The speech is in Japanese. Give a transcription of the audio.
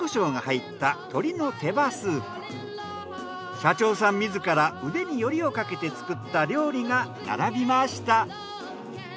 社長さん自ら腕によりをかけて作った料理が並びました。